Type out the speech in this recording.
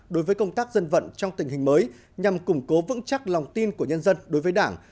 đối với công tác dân vận trong tình hình mới nhằm củng cố vững chắc lòng tin của nhân dân đối với đảng